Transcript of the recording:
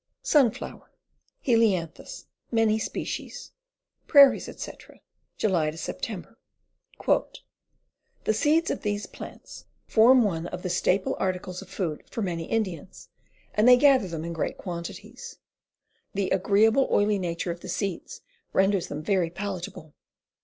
Sunflower. Helianihus, many species. Prairies, etc. July Sep. The seeds of these plants form one of the staple WILDERNESS EDIBLE PLANTS 241 articles of food for many Indians, and they gather them in great quantities. The agreeable oily nature of the seeds ren ders them very palatable.